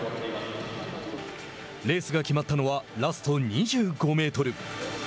レースが決まったのはラスト２５メートル。